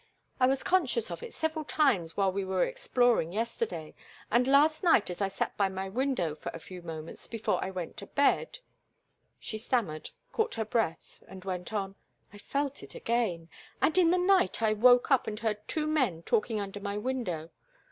I was conscious of it several times while we were exploring yesterday, and last night as I sat by my window for a few moments before I went to bed"—she stammered, caught her breath, and went on—"I felt it again; and in the night I woke up and heard two men talking under my window.